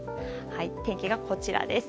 天気がこちらです。